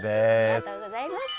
ありがとうございます。